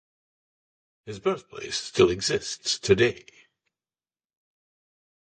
His birthplace still exists today.